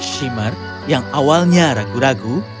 shimer yang awalnya ragu ragu